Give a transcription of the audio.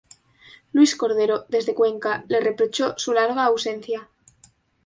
Luis Cordero desde Cuenca le reprochó su larga ausencia.